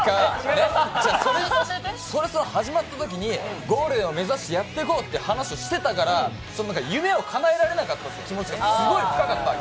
違う違う、「それスノ」始まったときにゴールデンを目指してやっていこうという話をしてたから夢を叶えられなかったという気持ちがすごい深かったわけ。